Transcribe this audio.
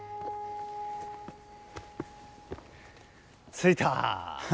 着いた。